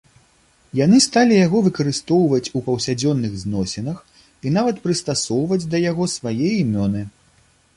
Яны сталі яго выкарыстоўваць у паўсядзённых зносінах і нават прыстасоўваць да яго свае імёны.